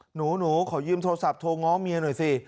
หนูขอยืมโทรศัพท์โทรง้อเมียหน่อยสิ